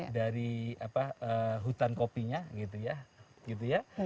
dari hutan kopinya